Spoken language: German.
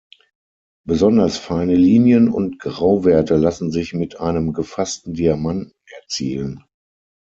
Besonders feine Linien und Grauwerte lassen sich mit einem gefassten Diamanten erzielen.